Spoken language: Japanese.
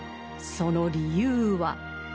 その理由は。